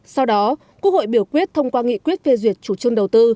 sau đó quốc hội biểu quyết thông qua nghị quyết phê duyệt chủ trương đầu tư